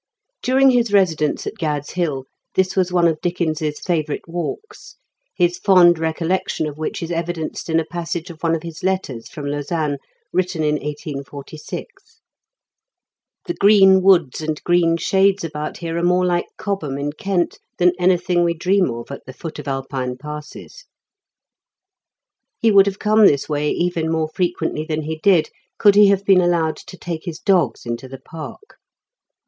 During his residence at Gad's Hill, this was one of Dickens's favourite walks, his fond recollection of which is evidenced in a passage of one of his letters from Lausanne, written in 1846 :" The green woods and green shades about here are more like Cobham, in 12 IN KENT WITH GHABLE8 BIGKEN8, Kent, than anything we dream of at the foot of Alpine passes." He would have come this way even more frequently than he did could he have been allowed to take his dogs into the park.